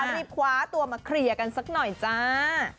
รีบคว้าตัวมาเคลียร์กันสักหน่อยจ้า